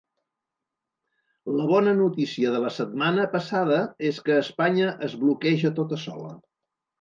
La bona notícia de la setmana passada és que Espanya es bloqueja tota sola.